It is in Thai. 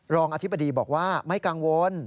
รองอธิบดีบอกว่าไม่กังวล